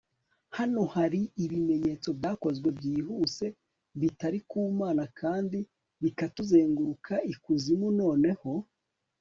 Hano hari ibimenyetso byakozwe byihuse bitari ku Mana kandi bikatuzenguruka ikuzimu noneho